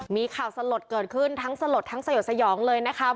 มีข่าวสะหรดเกิดขึ้นทั้งสะหรดทั้งสะหยกสะหยองเลยนะคะ